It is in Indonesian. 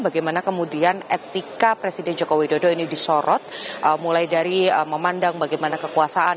bagaimana kemudian etika presiden joko widodo ini disorot mulai dari memandang bagaimana kekuasaan